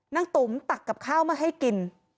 ตุ๋มตักกับข้าวมาให้กิน